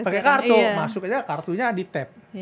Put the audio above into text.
pakai kartu masuk aja kartunya di tap